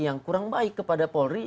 yang kurang baik kepada polri